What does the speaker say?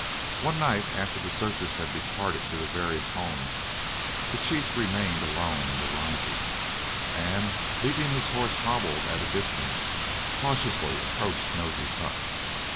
One night after the searchers had departed to their various homes, the chief remained alone in the Rises, and leaving his horse hobbled at a distance, cautiously approached Nosey's hut.